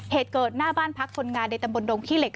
เหตุเกิดหน้าบ้านพักคนงานในตำบลดงขี้เหล็ก